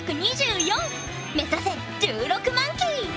目指せ１６万基！